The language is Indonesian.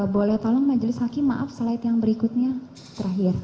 boleh tolong majelis hakim maaf slide yang berikutnya terakhir